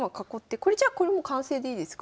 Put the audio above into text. これじゃあこれもう完成でいいですか？